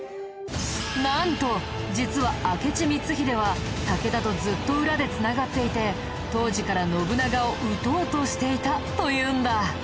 なんと実は明智光秀は武田とずっと裏で繋がっていて当時から信長を討とうとしていたというんだ。